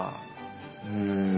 うん。